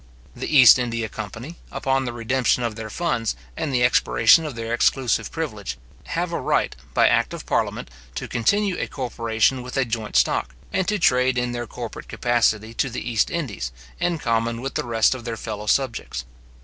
The East India company, upon the redemption of their funds, and the expiration of their exclusive privilege, have a right, by act of parliament, to continue a corporation with a joint stock, and to trade in their corporate capacity to the East Indies, in common with the rest of their fellow subjects.